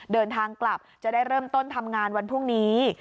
เดินทางกลับจะได้เริ่มต้นทำงานวันพรุ่งนี้